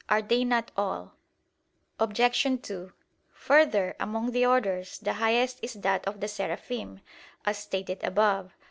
'Are they not all ...?']. Obj. 2: Further, among the orders, the highest is that of the Seraphim, as stated above (Q.